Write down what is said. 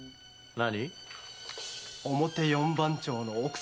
何？